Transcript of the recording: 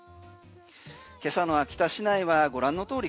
今朝の秋田市内はご覧の通り